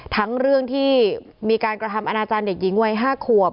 ทั้งเรื่องที่มีการกระทำอนาจารย์เด็กหญิงวัย๕ขวบ